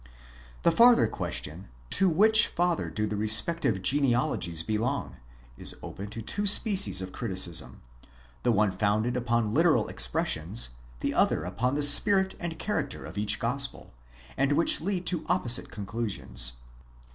The farther ques tion: to which father do the respective genealogies belong? is open to two species of criticism, the one founded upon literal expressions, the other upon the spirit and character of each gospel: and which lead to opposite con clusions.